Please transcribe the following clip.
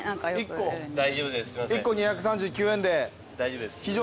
１個２３９円で非常に。